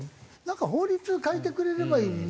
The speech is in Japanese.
なんか法律変えてくれればいいのにね。